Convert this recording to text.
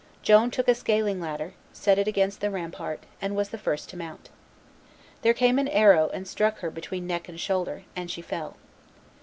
Joan took a scaling ladder, set it against the rampart, and was the first to mount. There came an arrow and struck her between neck and shoulder, and she fell.